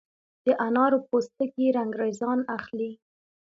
د انارو پوستکي رنګریزان اخلي؟